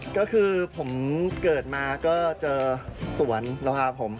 คือผมเกิดมาก็เจอสวนเราค่ะผม